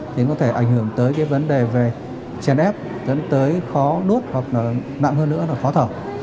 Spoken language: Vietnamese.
thì nó có thể ảnh hưởng tới cái vấn đề về chèn ép tới khó nuốt hoặc là nặng hơn nữa là khó thở